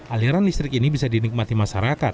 aliran listrik ini bisa dinikmati masyarakat